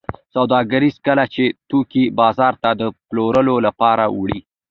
سوداګر کله چې توکي بازار ته د پلورلو لپاره وړي